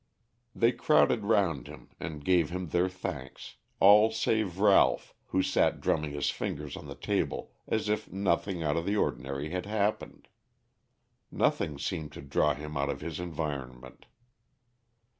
They crowded round him and gave him their thanks, all save Ralph, who sat drumming his fingers on the table as if nothing out of the ordinary had happened. Nothing seemed to draw him out of his environment.